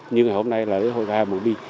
như ngày hôm nay là lễ hội khai hạ mường bi